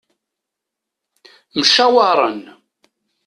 Mcawaren.